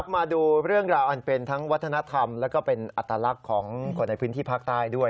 มาดูเรื่องราวอันเป็นทั้งวัฒนธรรมและก็เป็นอัตลักษณ์ของคนในพื้นที่ภาคใต้ด้วย